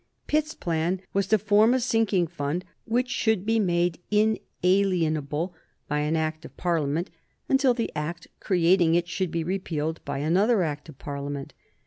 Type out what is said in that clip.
Pitt's plan was to form a sinking fund which should be made inalienable by an Act of Parliament until the Act creating it should be repealed by another Act of Parliament.